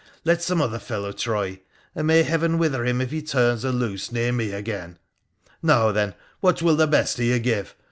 Let some other fellow try, and may Heaven wither him if he turns her loose near me again 1 Now then, what will the best of you give